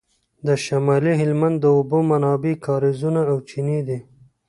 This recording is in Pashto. د شمالي هلمند د اوبو منابع کاریزونه او چینې دي